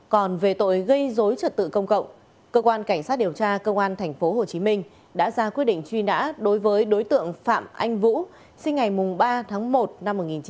còn về tội gây dối trật tự công cộng cơ quan cảnh sát điều tra công an tp hcm đã ra quyết định truy nã đối với đối tượng phạm anh vũ sinh ngày ba tháng một năm một nghìn chín trăm bảy mươi